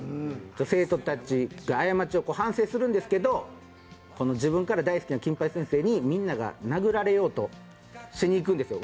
生徒たちが過ちを反省するんですけど自分から大好きな金八先生にみんなが殴られようとしにいくんですよ。